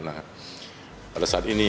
nah pada saat ini